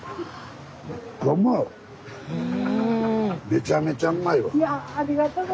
めちゃめちゃうまいわ。